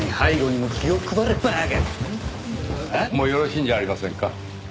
もうよろしいんじゃありませんか。